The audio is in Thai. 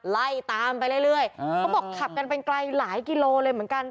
ไล่ตามไปเรื่อยเขาบอกขับกันไปไกลหลายกิโลเลยเหมือนกัน